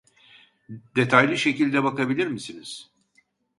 Detaylı şekilde bakabilir misiniz